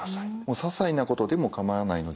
ささいなことでも構わないので。